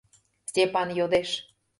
Степан йодеш.